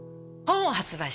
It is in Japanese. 本発売